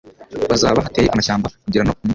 bazaba hateye amashyamba kugera no Umugi